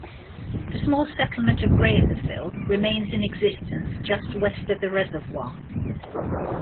The small settlement of Grahamsville remains in existence just west of the reservoir.